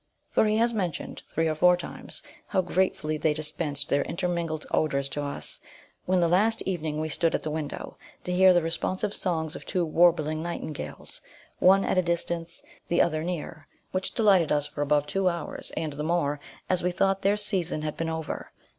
For he has mentioned, three or four times, how gratefully they dispensed their intermingled odours to us, when, the last evening we stood at the window, to hear the responsive songs of two warbling nightingales, one at a distance, the other near, which delighted us for above two hours, and the more, as we thought their season had been over.